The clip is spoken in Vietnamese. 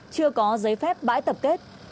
chưa có giấy phép bãi tập kết